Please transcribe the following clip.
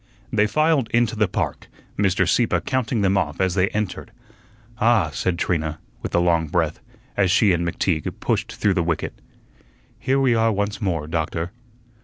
They filed into the park, Mr. Sieppe counting them off as they entered. "Ah," said Trina, with a long breath, as she and McTeague pushed through the wicket, "here we are once more, Doctor."